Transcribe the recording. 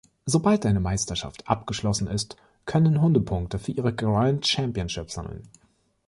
Sobald eine Meisterschaft abgeschlossen ist, können Hunde Punkte für ihren Grand Championship sammeln.